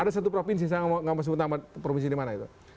ada satu provinsi saya gak mau sebut nama provinsi dimana itu